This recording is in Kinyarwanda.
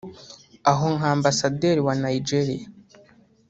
aho nka Ambasaderi wa Nigeria